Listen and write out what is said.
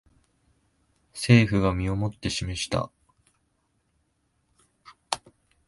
政府が身をもって示した